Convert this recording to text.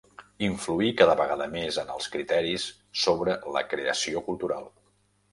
Influir cada vegada més en els criteris sobre la creació cultural